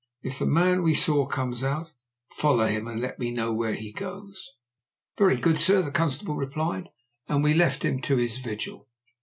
If the man we saw comes out, follow him, and let me know where he goes." "Very good, sir," the constable replied, and we left him to his vigil.